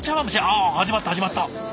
あ始まった始まった。